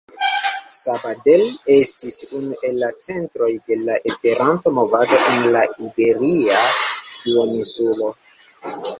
Sabadell estis unu el la centroj de la Esperanto-movado en la iberia duoninsulo.